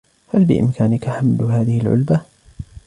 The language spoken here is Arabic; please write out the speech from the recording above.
هل بإمكانك حمل هذه العلبة؟